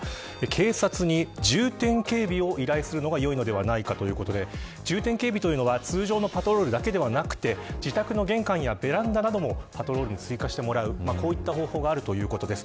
警察に重点警備を依頼するのもよいのではないかということで重点警備とは通常のパトロールだけではなく自宅の玄関やベランダなども追加してもらう方法があるということです。